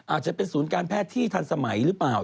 อาจจะเป็นศูนย์การแพทย์ที่ทันสมัยหรือเปล่า